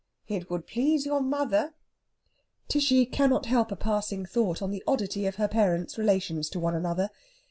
"It would please your mother." Tishy cannot help a passing thought on the oddity of her parents' relations to one another.